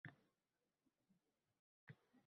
Jelagi yoqasi bilan og‘zini ushlab tilga kirdi.